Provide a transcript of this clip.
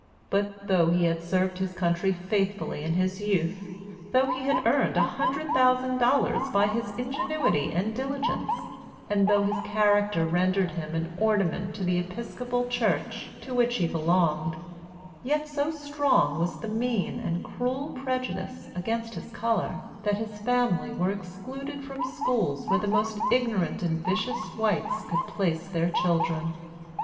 But though he had served his country faithfully in his youth, though he had earned a hundred thousand dollars by his ingenuity and diligence, and though his character rendered him an ornament to the Episcopal Church, to which he belonged, yet so strong was the mean and cruel prejudice against his color, that his family were excluded from schools where the most ignorant and vicious whites could place their children.